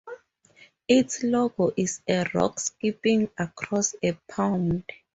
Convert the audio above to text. Its logo is a rock skipping across a pond.